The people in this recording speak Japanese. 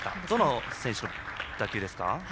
どの選手の打球ですか？